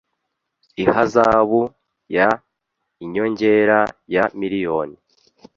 ihazabu y inyongera ya miliyoni